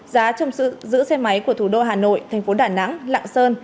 giá trồng giữ xe máy của thủ đô hà nội thành phố đà nẵng lạng sơn